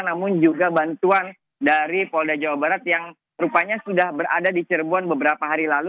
namun juga bantuan dari polda jawa barat yang rupanya sudah berada di cirebon beberapa hari lalu